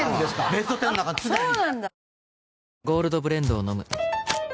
ベスト１０の中に常に！